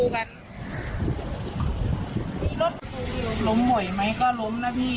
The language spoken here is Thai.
ก็มีล้มเรื่อยค่ะเพราะว่าหลุมมันใหญ่